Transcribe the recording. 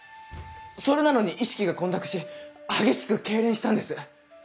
それなのに意識が混濁し激しく痙攣したんです。